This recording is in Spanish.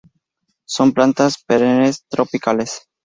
Son plantas perennes tropicales.